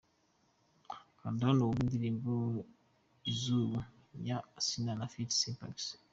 Kanda hano wumve indirimbo 'Izubu' ya Asinaha ft Spaxx.